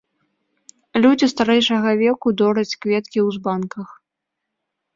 Людзі старэйшага веку дораць кветкі ў збанках.